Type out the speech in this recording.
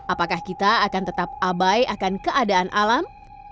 apakah kita akan tetap abai akan keadaan alam